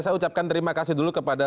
saya ucapkan terima kasih dulu kepada